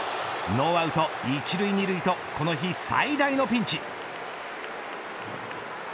ノーアウト一塁二塁とこの日最大のピンチ。